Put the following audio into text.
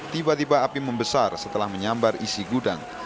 tiba tiba api membesar setelah menyambar isi gudang